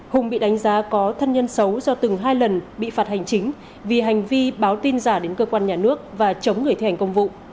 hùng bị đánh giá có thân nhân xấu do từng hai lần bị phạt hành chính vì hành vi báo tin giả đến cơ quan nhà nước và chống người thi hành công vụ